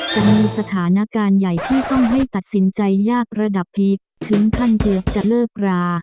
จะมีสถานการณ์ใหญ่ที่ต้องให้ตัดสินใจยากระดับพีคถึงขั้นเกือบจะเลิกรา